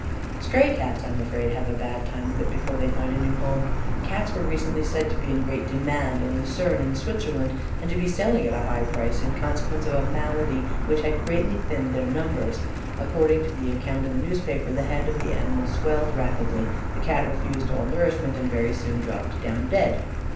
'" Stray Cats, I am afraid, have a bad time of it before they find a new home. Cats were recently said to be in great demand at Lucerne, in Switzerland, and to be selling at a high price, in consequence of a malady which had greatly thinned their numbers. According to the account in the newspaper, the head of the animal swelled rapidly; the Cat refused all nourishment, and very soon dropped down dead.